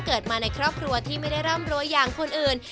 เกิดมาในครอบครัวที่ไม่ได้ร่ำรวยอย่างคนอื่น